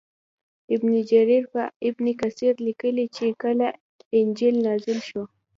ابن جریر په ابن کثیر کې لیکلي چې کله انجیل نازل شو.